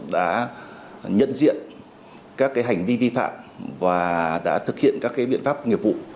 đã nhận diện các hành vi vi phạm và đã thực hiện các biện pháp nghiệp vụ